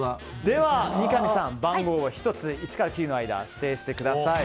では三上さん、番号を１つ１から９の間で指定してください。